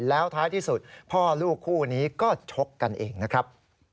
แล้วท้ายที่สุดพ่อลูกคู่นี้ก็ชกกันเองนะครับ